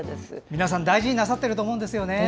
皆さん、映像を大事になさっていると思うんです。